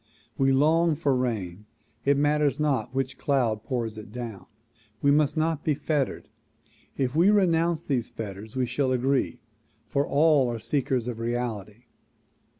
We long for rain it matters not which cloud pours it down. We must not be fettered. If we renounce these fetters we shall agree, for all are seekers of reality.